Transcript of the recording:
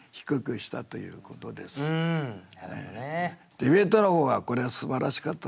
ディベートの方はこれはすばらしかったですよ。